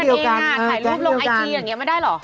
ไขรูปลงไอคีย์อย่างนี้มาได้เหรอ